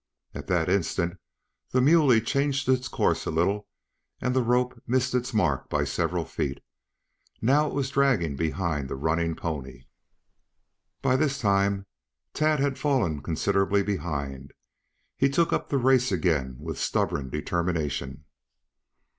At that instant the muley changed its course a little and the rope missed its mark by several feet. Now it was dragging behind the running pony. By this time Tad had fallen considerably behind. He took up the race again with stubborn determination.